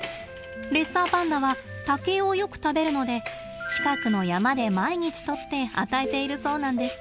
レッサーパンダは竹をよく食べるので近くの山で毎日とって与えているそうなんです。